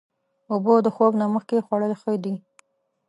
اوبه د خوب نه مخکې خوړل ښې دي.